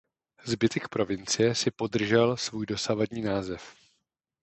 Zbytek provincie si podržel svůj dosavadní název.